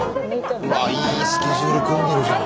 ああいいスケジュール組んでるじゃん。